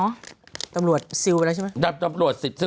ว่าสมมุติเงินในบัญชี๒๐ล้านบาทอยู่ในบัญชีของเอมแล้วแม่ปุ๊กใช้อย่างไรแม่